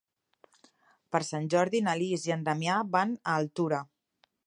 Per Sant Jordi na Lis i en Damià van a Altura.